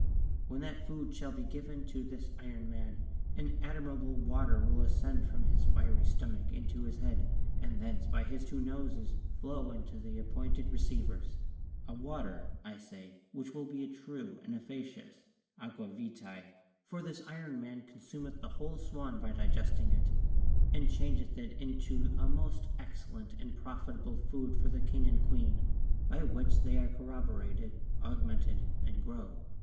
When that food shall be given to this iron man, an admirable water will ascend from his fiery stomach into his head, and thence by his two noses flow into the appointed receivers; a water, I say, which will be a true and efficacious aqua vitae ; for the iron man consumeth the whole swan by digesting it, and changeth it into a most excellent and profitable food for the king and queen, by which they are corroborated, augmented, and grow.